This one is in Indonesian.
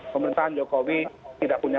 pemerintahan jokowi tidak punya